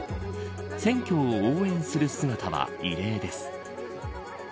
選挙を応援する姿は異例です。